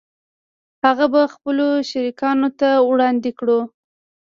هغه به خپلو شریکانو ته وړاندې کړو